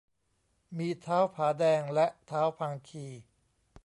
มีท้าวผาแดงและท้าวพังคี